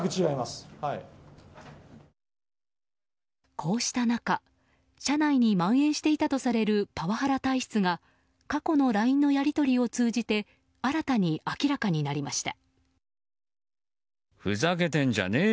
こうした中社内にまん延していたとされるパワハラ体質が過去のＬＩＮＥのやり取りを通じて新たに明らかになりました。